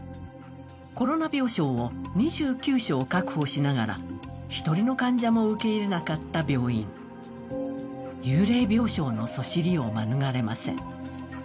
コロナ病床を２９床確保しながら１人の患者も受け入れなかった病院幽霊病床のそしりを免れません。